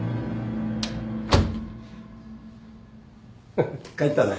フフ帰ったね。